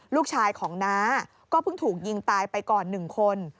ลูกชายของน้าก็เพิ่งถูกยิงตายไปก่อน๑คน